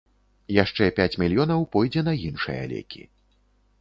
Яшчэ пяць мільёнаў пойдзе на іншыя лекі.